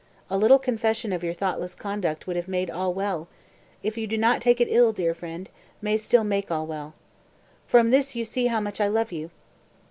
A little confession of your thoughtless conduct would have made all well, if you do not take it ill, dear friend, may still make all well. From this you see how much I love you.